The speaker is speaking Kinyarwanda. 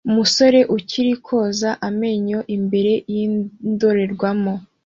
Umusore arimo koza amenyo imbere yindorerwamo